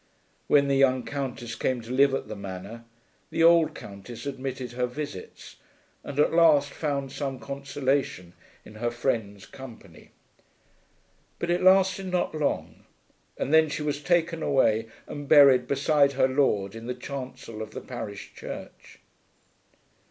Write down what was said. When the young Countess came to live at the Manor the old Countess admitted her visits and at last found some consolation in her friend's company. But it lasted not long, and then she was taken away and buried beside her lord in the chancel of the parish church.